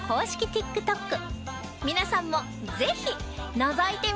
ＴｉｋＴｏｋ